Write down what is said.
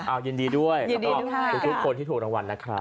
เอายินดีด้วยแล้วก็ทุกคนที่ถูกรางวัลนะครับ